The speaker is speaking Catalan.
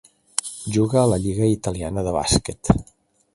Juga a la lliga italiana de bàsquet.